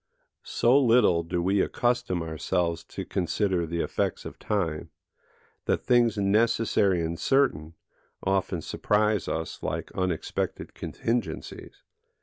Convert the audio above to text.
So little do we accustom ourselves to consider the effects of time, that things necessary and certain often surprise us like unexpected contingencies.